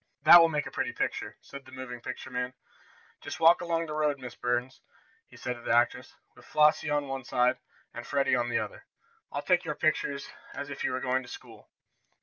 "That will make a pretty picture," said the moving picture man. "Just walk along the road, Miss Burns," he said to the actress, "with Flossie on one side, and Freddie on the other. I'll take your pictures as if you were going to school."